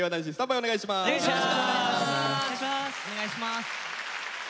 お願いします。